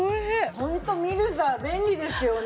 ホントミルサー便利ですよね。